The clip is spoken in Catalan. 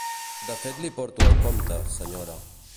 De fet li porto el compte, senyora.